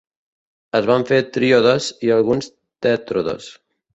Es van fer tríodes i alguns tètrodes.